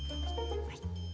はい。